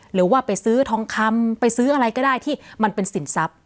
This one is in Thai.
หรือว่าไปซื้อทองคำไปซื้ออะไรก็ได้ที่มันเป็นสินทรัพย์